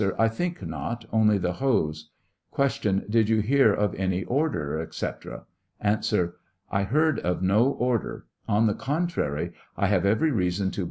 I think not, only the hose. Q. Did you hear of any order, etc. ? A. I heard of no order ; on the contrary, I have every reason to.